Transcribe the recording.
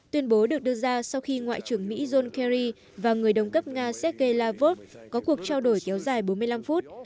tuyên bố được đưa ra sau khi ngoại trưởng mỹ john kerry và người đồng cấp nga sergei lavrov có cuộc trao đổi kéo dài bốn mươi năm phút